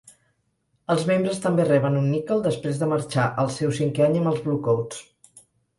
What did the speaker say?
Els membres també reben un níquel després de marxar el seu cinquè any amb els Bluecoats.